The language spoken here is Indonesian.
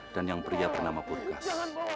dan yang pria bernama purkas